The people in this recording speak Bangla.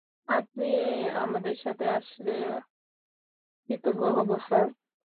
আপনি আমাদের সাথে আসলে কৃতজ্ঞ হবো, স্যার।